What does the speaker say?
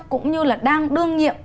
cũng như là đang đương nhiệm